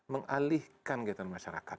mengalihkan kegiatan masyarakat